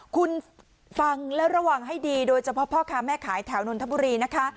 คุณฟังและระวังให้ดีโดยเฉพาะพ่อค้าแม่ขายแถวนนทบุรีนะคะ